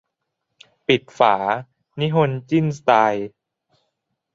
ปิดฝา นิฮนจิ้นสไตล์